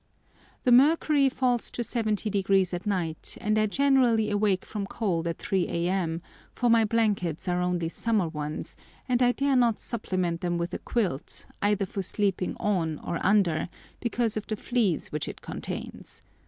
The mercury falls to 70° at night, and I generally awake from cold at 3 a.m., for my blankets are only summer ones, and I dare not supplement them with a quilt, either for sleeping on or under, because of the fleas which it contains.